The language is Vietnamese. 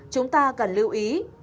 chúng ta cần lưu ý